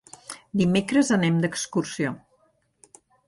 Dimecres anem d'excursió.